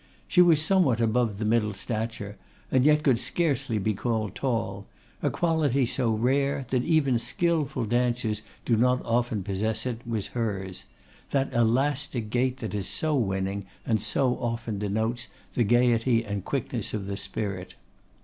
She was somewhat above the middle stature, and yet could scarcely be called tall; a quality so rare, that even skilful dancers do not often possess it, was hers; that elastic gait that is so winning, and so often denotes the gaiety and quickness of the spirit.